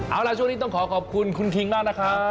เอาล่ะช่วงนี้ต้องขอขอบคุณคุณคิงมากนะครับ